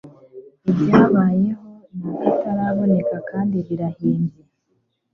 ibyababayeho ni akataraboneka kandi birahimbye